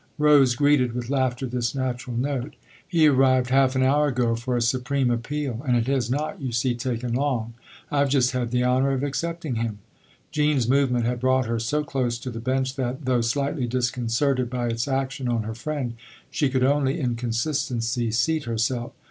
Rose greeted with laughter this natural note. 11 He arrived half an hour ago, for a supreme appeal and it has not, you see, taken long. I've just had the honour of accepting him." Jean's movement had brought her so close to the bench that, though slightly disconcerted by its action on her friend, she could only, in consistency, seat herself.